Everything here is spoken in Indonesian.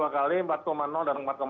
dua kali empat dan empat satu gitu